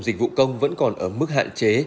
dịch vụ công vẫn còn ở mức hạn chế